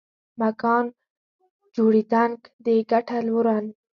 مکان جوړېدنک دې ګټه لورن